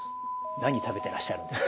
何食べてらっしゃるんですか？